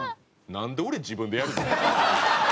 なんで俺自分でやるの？